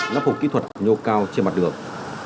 nắp hộp kỹ thuật nhô cao trên mặt đường